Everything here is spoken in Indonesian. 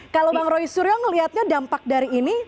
kalau bang roy suryo melihatnya dampak dari ini